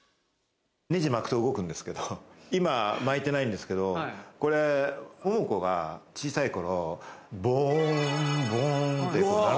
ネジまくと動くんですけど今巻いてないんですけれど、これ桃子が小さい頃、ボン、ボンって鳴る。